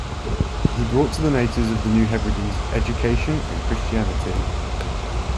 He brought to the natives of the New Hebrides education and Christianity.